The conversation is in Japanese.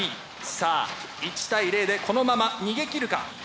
さあ１対０でこのまま逃げ切るか。